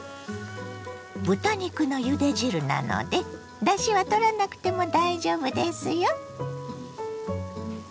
豚肉のゆで汁なのでだしはとらなくても大丈夫ですよ。